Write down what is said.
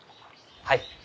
はい。